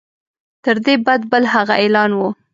تر دې بد بل هغه اعلان وو.